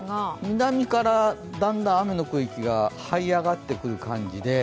南からだんだん雨の区域が這い上がってくる感じで。